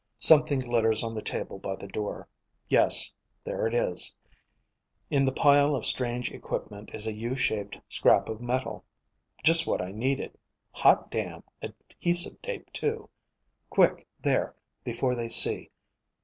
"_ _Something glitters on the table by the door. Yes, there it is. In the pile of strange equipment is a U shaped scrap of metal. Just what I need. Hot damn, adhesive tape too. Quick, there, before they see.